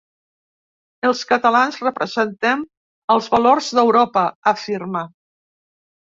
Els catalans representem els valors d’Europa, afirma.